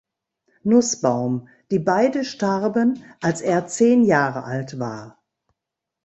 Nußbaum, die beide starben, als er zehn Jahre alt war.